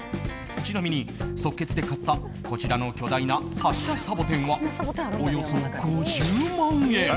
ちなみに即決で買ったこちらの巨大なハシラサボテンはおよそ５０万円。